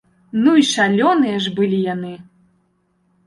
Ну і шалёныя ж былі яны!